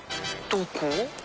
どこ？